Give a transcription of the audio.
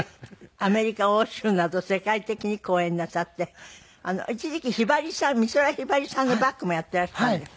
アメリカ欧州など世界的に公演なさって一時期美空ひばりさんのバックもやっていらしたんですって？